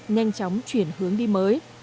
nhanh chóng chuyển hướng đi mới